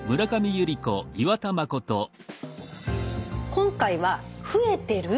今回は増えてる？